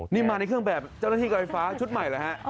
นี่มาในเครื่องแบบเจ้านาธิกไฟฟ้าชุดใหม่หรือครับ